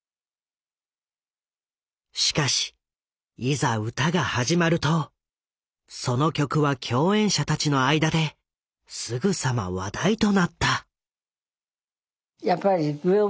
しかしいざ歌が始まるとその曲は共演者たちの間ですぐさま話題となった。